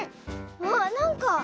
あっなんかどれ。